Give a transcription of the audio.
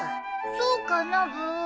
そうかなブー。